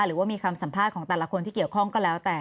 หรือว่ามีคำสัมภาษณ์ของแต่ละคนที่เกี่ยวข้องก็แล้วแต่